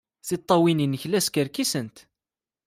Tiṭṭawin-nnek la skerkisent.